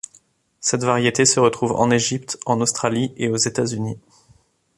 Cette variété se retrouve en Égypte, en Australie et aux États-Unis.